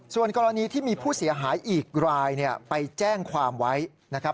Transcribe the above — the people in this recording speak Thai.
ส่วนกรณีที่มีผู้เสียหายอีกรายไปแจ้งความไว้นะครับ